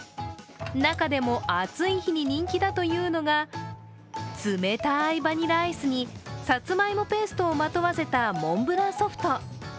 中でも暑い日に人気だというのが冷たいバニラアイスにさつまいもペーストを合わせたモンブランソフト。